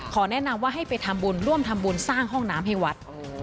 แนะนำว่าให้ไปทำบุญร่วมทำบุญสร้างห้องน้ำให้วัด